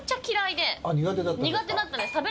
苦手だったんですか？